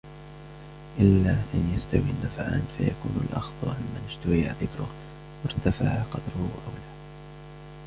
إلَّا أَنْ يَسْتَوِيَ النَّفْعَانِ فَيَكُونُ الْأَخْذُ عَمَّنْ اُشْتُهِرَ ذِكْرُهُ وَارْتَفَعَ قَدْرُهُ أَوْلَى